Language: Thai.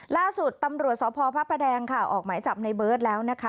ล่าสุดตำรวจสพพระประแดงค่ะออกหมายจับในเบิร์ตแล้วนะคะ